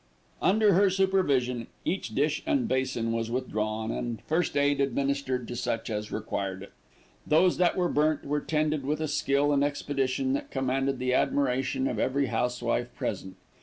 Under her supervision, each dish and basin was withdrawn, and first aid administered to such as required it. Those that were burnt, were tended with a skill and expedition that commanded the admiration of every housewife present.